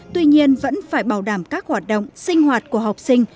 tuy nhiên vẫn phải bảo đảm các hoạt động sinh hoạt của học sinh